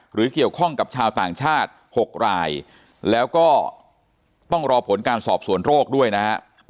หรือเกี่ยวข้องกับชาวต่างชาติ๖รายแล้วก็ต้องรอผลการสอบสวนโรคด้วยนะครับ